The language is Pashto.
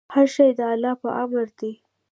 هر شی د الله په امر دی.